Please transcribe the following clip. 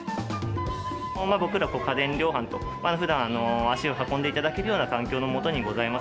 僕ら家電量販と、ふだん足を運んでいただけるような環境の下にございます。